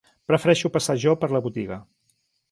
Prefereixo passar jo per la botiga.